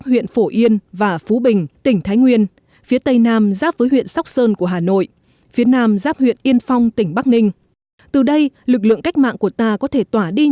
huyện hiệp hòa có một vị trí thuận lợi để trở thành căn cứ dự phòng